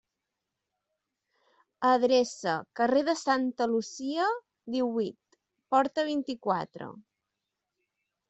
Adreça: carrer de Santa Lucia, díhuit, porta vint-i-quatre.